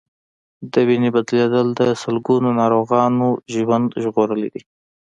د وینې بدلېدل د سلګونو ناروغانو ژوند ژغورلی دی.